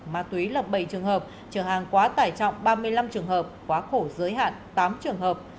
ma túy là bảy trường hợp trường hàng quá tải trọng ba mươi năm trường hợp quá khổ giới hạn tám trường hợp